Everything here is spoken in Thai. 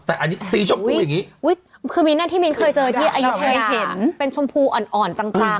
แต่อันนี้สีชมพูอย่างนี้เหมือนเตียนคือมีหน้าที่มินเคยเจอที่อายุแทกเห็นเป็นชมพูอ่อนจังการ